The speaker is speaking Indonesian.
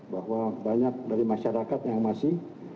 bahwa banyak dari masyarakat yang masih